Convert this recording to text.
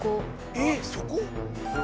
えっそこ？